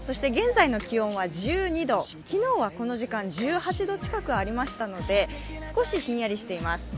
現在の気温は１２度、昨日はこの時間１８度近くありましたので少しひんやりしています。